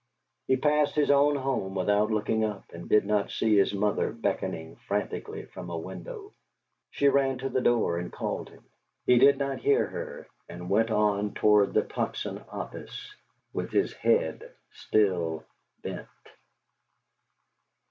He passed his own home without looking up, and did not see his mother beckoning frantically from a window. She ran to the door and called him. He did not hear her, but went on toward the Tocsin office with his head still bent.